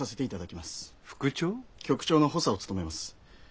局長の補佐を務めます。